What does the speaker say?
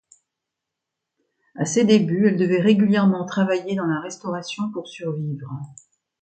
À ses débuts, elle devait régulièrement travailler dans la restauration pour survivre.